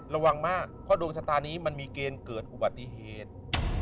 ระวังมากเพราะดวงชะตานี้มันมีเกณฑ์เกิดอุบัติเหตุ